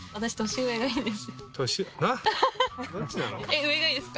上がいいですか？